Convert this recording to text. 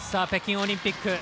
北京オリンピック。